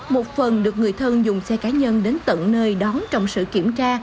một phần được người thân dùng xe cá nhân đến tận nơi đón trong sự kiểm tra